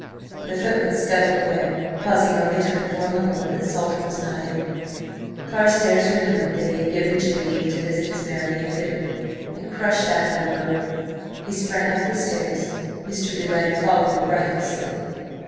The footman scuttled away, pausing only to inform my lord that Salter was not in. Carstares remembered that he had given Jim leave to visit his Mary at Fittering, and crushed out another oath. He sprang up the stairs, Mr. Beauleigh following breathlessly.